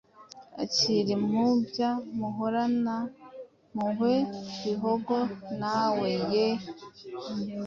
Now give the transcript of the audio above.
Akira impumbya Muhoranampuhwe ,Bihogo na we ,yeee